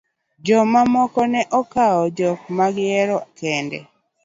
jok moko ne okowo jok ma gihero kende